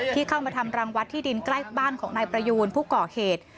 ที่เข้ามาทำรังวัดที่ดินใกล้บ้านของนายประยูนผู้ก่อเหตุ